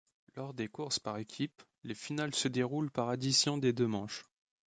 Lors des courses par équipes, les finales se déroulent par addition des deux manches.